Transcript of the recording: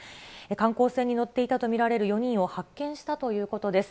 観光船に乗っていたと見られる４人を発見したということです。